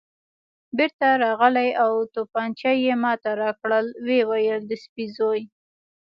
بېرته راغلی او تومانچه یې ما ته راکړل، ویې ویل: د سپي زوی.